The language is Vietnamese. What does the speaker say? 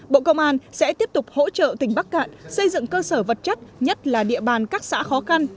bộ công an sẽ tiếp tục hỗ trợ tỉnh bắc cạn xây dựng cơ sở vật chất nhất là địa bàn các xã khó khăn